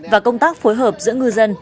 và công tác phối hợp giữa ngư dân